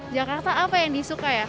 jakarta apa yang disuka ya